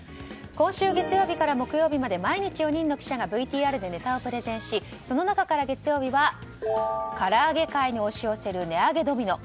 今週月曜日から木曜日まで毎日４人の記者がＶＴＲでネタをプレゼンしその中から月曜日は唐揚げ界に押し寄せる値上げドミノ。